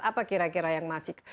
apa kira kira yang masih